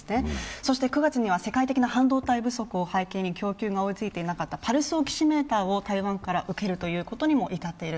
そして９月には世界的な半導体不足を背景に供給が追いついていなかったパルスオキシメーターを台湾から受けることにも至っている。